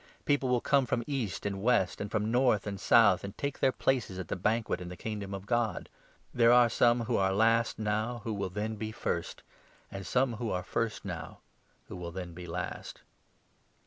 People will come from East and West, and from North and South, and take their places at the banquet in the Kingdom of God. There are some who are last now who will then be first, and some who are first now who will then be last